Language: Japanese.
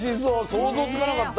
想像つかなかった。